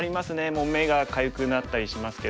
もう目がかゆくなったりしますけども。